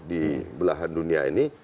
di belahan dunia ini